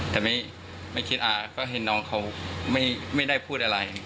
แต่ไม่คิดอาก็เห็นน้องเขาไม่ได้พูดอะไร